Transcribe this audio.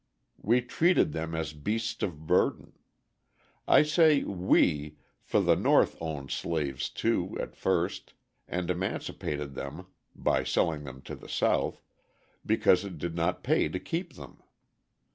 We treated them as beasts of burden. I say "we," for the North owned slaves, too, at first, and emancipated them (by selling them to the South) because it did not pay to keep them.